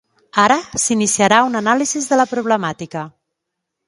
Ara s'iniciarà una anàlisi de la problemàtica.